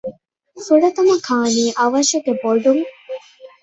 ފުރަތަމަ ކާނީ އަވަށުގެ ބޮޑުން